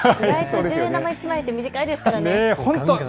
１０円玉１枚って短いですよね。